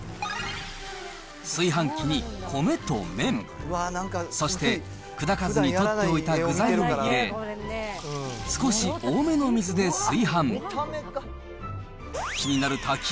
炊飯器に米と麺、そして砕かずに取っておいた具材を入れ、少し多めの水で炊飯。